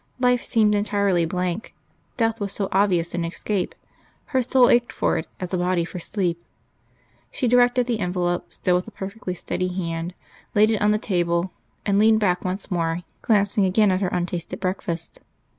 Life seemed entirely blank: death was so obvious an escape; her soul ached for it, as a body for sleep. She directed the envelope, still with a perfectly steady hand, laid it on the table, and leaned back once more, glancing again at her untasted breakfast.